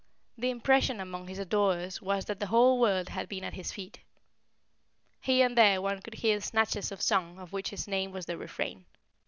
The impression among his adorers was that the whole world had been at his feet. Here and there one could hear snatches of song of which his name was the refrain.